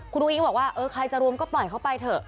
คุณอุ้งบอกว่าเออใครจะรวมก็ปล่อยเขาไปเถอะ